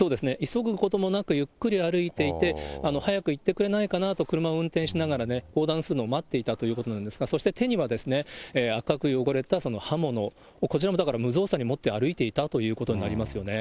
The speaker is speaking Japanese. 急ぐこともなく、ゆっくり歩いていて、早く行ってくれないかなと車を運転しながら横断するのを待っていたということなんですが、そして手には赤く汚れた刃物、こちらも無造作に持って歩いていたということになりますよね。